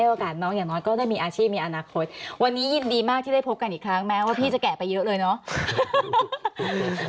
โอกาสน้องอย่างน้อยก็ได้มีอาชีพมีอนาคตวันนี้ยินดีมากที่ได้พบกันอีกครั้งแม้ว่าพี่จะแก่ไปเยอะเลยเนาะ